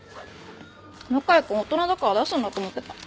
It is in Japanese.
向井君大人だから出すんだと思ってた。